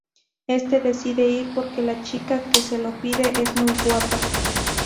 Éste decide ir porque la chica que se lo pide es muy guapa.